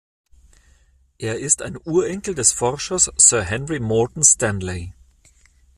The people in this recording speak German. Er ist ein Urenkel des Forschers Sir Henry Morton Stanley.